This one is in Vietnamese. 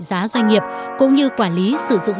giá doanh nghiệp cũng như quản lý sử dụng